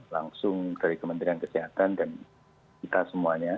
langsung dari kementerian kesehatan dan kita semuanya